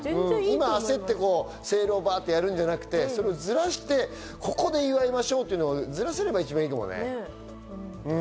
焦ってセールをやるんじゃなくて、ずらしてここで祝いましょうというのをずらせれば一番いいかもね。